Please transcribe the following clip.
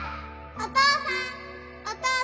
・お父さん！